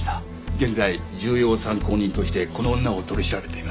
現在重要参考人としてこの女を取り調べています